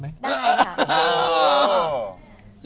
ได้ค่ะโอ้โฮ